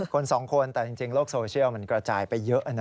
คนสองคนแต่จริงโลกโซเชียลมันกระจายไปเยอะนะ